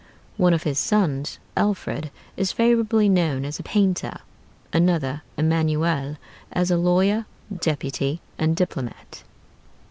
One of his sons, Alfred, is favorably known as a painter; another, Emmanuel, as a lawyer, deputy, and diplomat.